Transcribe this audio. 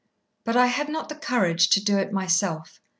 But I had not the courage to do it myself.